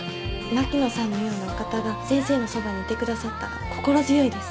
槙野さんのようなお方が先生のそばにいてくださったら心強いです。